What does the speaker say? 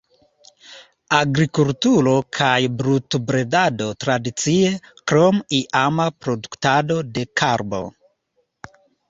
Agrikulturo kaj brutobredado tradicie, krom iama produktado de karbo.